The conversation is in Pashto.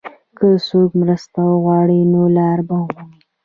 که څوک مرسته وغواړي، نو لار به ومومي.